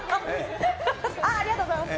ありがとうございます。